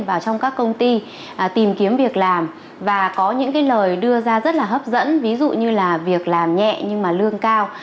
vào trong các công ty tìm kiếm việc làm và có những cái lời đưa ra rất là hấp dẫn ví dụ như là việc làm nhẹ nhưng mà lương cao